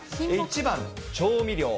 １番、調味料。